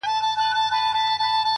زه نه كړم گيله اشــــــــــــنا،